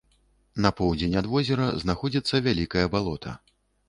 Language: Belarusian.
На поўдзень ад возера знаходзіцца вялікае балота.